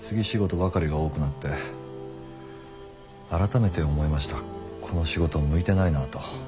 仕事ばかりが多くなって改めて思いましたこの仕事向いてないなと。